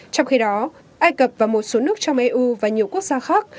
trong khi đó ai cập và một số nước trong eu và nhiều quốc gia khác